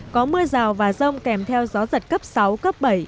có mưa rào và rông kèm theo gió giật cấp sáu cấp bảy